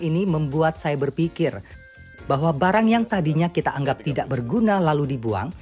ini membuat saya berpikir bahwa barang yang tadinya kita anggap tidak berguna lalu dibuang